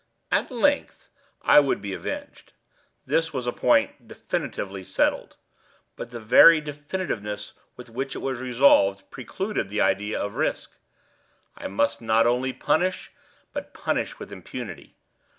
At length I would be avenged; this was a point definitively settled—but the very definitiveness with which it was resolved, precluded the idea of risk. I must not only punish, but punish with impunity.